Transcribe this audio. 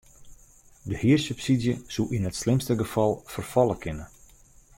De hiersubsydzje soe yn it slimste gefal ferfalle kinne.